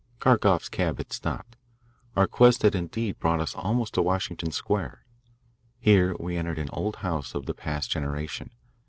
Kharkoff's cab had stopped. Our quest had indeed brought us almost to Washington Square. Here we entered an old house of the past generation.